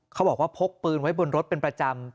เขาบอกว่าพกปืนไว้บนรถเป็นประจำ